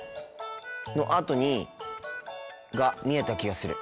のあとにが見えた気がする。